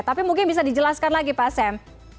tapi mungkin bisa dijelaskan lagi pak sam